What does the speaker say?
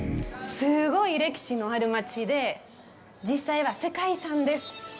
すごい歴史のある街で実際は世界遺産です。